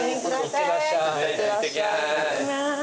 いってきます。